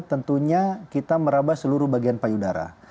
tentunya kita meraba seluruh bagian payudara